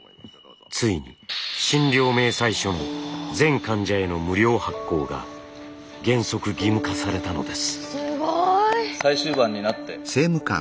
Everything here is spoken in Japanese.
ついに診療明細書の全患者への無料発行が原則義務化されたのです。